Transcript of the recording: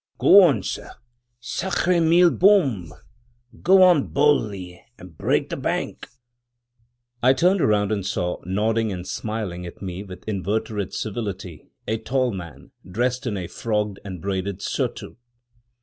Go on, sir — Sacre mille bombes! Go on boldly, and break the bank!" I turned round and saw, nodding and smiling at me with inveterate civility, a tall man, dressed in a frogged and braided surtout.